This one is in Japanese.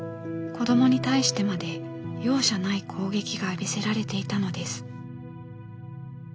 子どもに対してまで容赦ない攻撃が浴びせられていたのです。